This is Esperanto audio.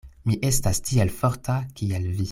Mi estas tiel forta, kiel vi.